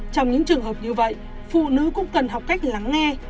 trong những trường hợp như vậy phụ nữ cũng cần học cách lắng nghe